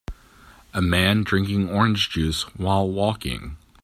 A man drinking orange juice while walking.